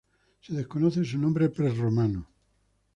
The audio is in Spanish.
Se desconoce su nombre pre-romano.